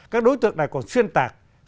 các đối tượng này còn xuyên tạc